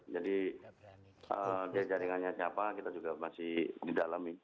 jadi dari jaringannya siapa kita juga masih didalami